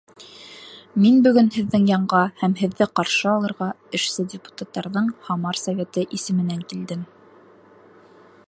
Мин бөгөн һеҙҙең янға һәм һеҙҙе ҡаршы алырға эшсе депутаттарҙың Һамар Советы исеменән килдем.